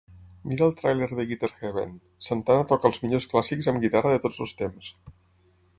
Mira el tràiler de Guitar Heaven: Santana toca els millors clàssics amb guitarra de tots els temps